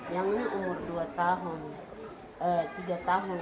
yang ini umur dua tahun tiga tahun